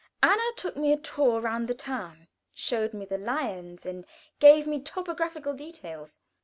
Anna took me a tour round the town, showed me the lions, and gave me topographical details.